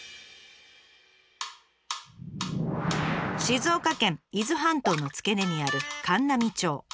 静岡県伊豆半島の付け根にある函南町。